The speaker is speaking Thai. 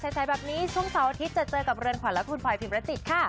ใสแบบนี้ช่วงเสาร์อาทิตย์จะเจอกับเรือนขวัญและคุณพลอยพิมรจิตค่ะ